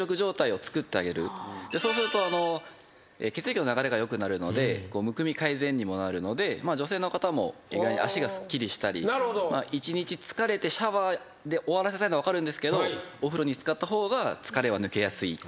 そうすると血液の流れが良くなるのでむくみ改善にもなるので女性の方も足がすっきりしたり一日疲れてシャワーで終わらせたいのは分かるんですけどお風呂に漬かった方が疲れは抜けやすい。